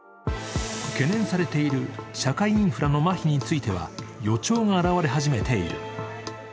懸念されている社会インフラのまひについては予兆が現れ始めている。